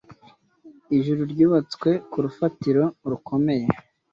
Ijuru ryubatswe ku rufatiro rukomeye.